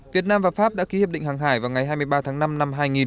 việt nam và pháp đã ký hiệp định hàng hải vào ngày hai mươi ba tháng năm năm hai nghìn